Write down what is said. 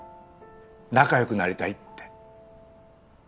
仲良くなりたいって。